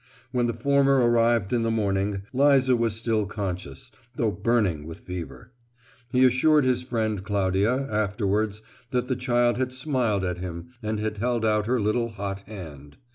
When the former arrived in the morning, Liza was still conscious, though burning with fever. He assured his friend Claudia, afterwards, that the child had smiled at him and held out her little hot hand.